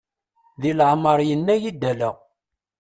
Deg leɛmer yenna-iy-d ala.